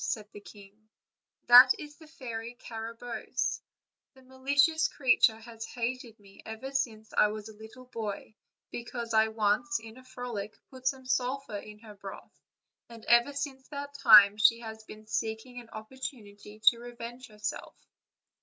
said the king; "that is the Fairy Carabosse; the malicious creature has hated me ever since I was a little boy, because I once in a frolic put some sulphur in her broth, and ever since that time she has been seeking an opportunity to revenge herself."